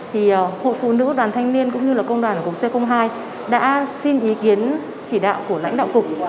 thì hội phụ nữ đoàn thanh niên cũng như là công đoàn cục c hai đã xin ý kiến chỉ đạo của lãnh đạo cục